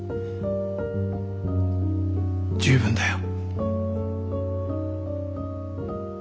十分だよ。